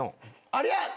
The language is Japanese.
ありゃ。